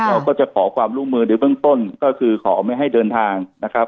เราก็จะขอความร่วมมือในเบื้องต้นก็คือขอไม่ให้เดินทางนะครับ